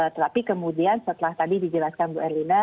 tetapi kemudian setelah tadi dijelaskan bu erlina